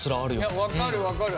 いや分かる分かる！